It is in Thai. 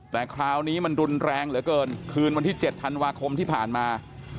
แต่คราวนี้มันรุนแรงเหลือเกินคืนวันที่๗ธันวาคมที่ผ่านมา